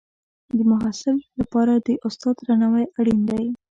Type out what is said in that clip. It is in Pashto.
د محصل لپاره د استاد درناوی اړین دی.